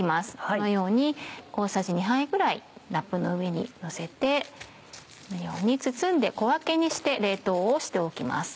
このように大さじ２杯ぐらいラップの上にのせてこのように包んで小分けにして冷凍をしておきます。